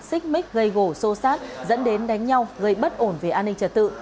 xích mít gây gổ sô sát dẫn đến đánh nhau gây bất ổn về an ninh trật tự